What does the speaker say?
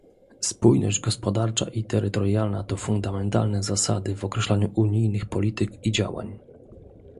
Spójność gospodarcza i terytorialna to fundamentalne zasady w określaniu unijnych polityk i działań